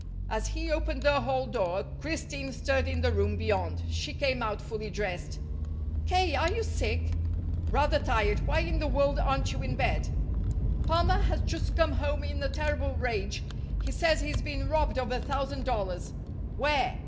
As he opened the hall door, Christine stirred in the room beyond. She came out fully dressed. "K., are you sick?" "Rather tired. Why in the world aren't you in bed?" "Palmer has just come home in a terrible rage. He says he's been robbed of a thousand dollars." "Where?"